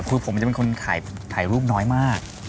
คือผมจะเป็นคนถ่ายรูปน้อยมาก